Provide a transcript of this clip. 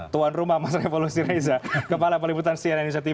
tuan rumah mas revolusi reza kepala peliputan cnn indonesia tv